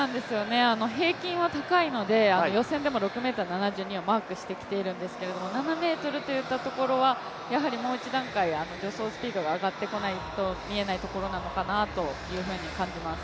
平均は高いので、予選でも６ｍ７２をマークしてきているんですけど、７ｍというところは、もう一段階助走スピードが上がってこないと見えないところなのかなと感じます。